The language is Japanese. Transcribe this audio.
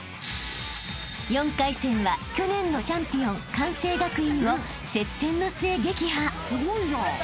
［４回戦は去年のチャンピオン関西学院を接戦の末撃破］